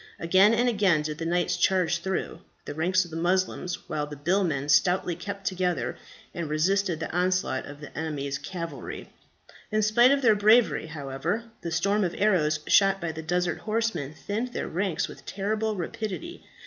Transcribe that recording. Again and again did the knights charge through the ranks of the Moslems, while the billmen stoutly kept together and resisted the onslaughts of the enemy's cavalry. In spite of their bravery, however, the storm of arrows shot by the desert horsemen thinned their ranks with terrible rapidity.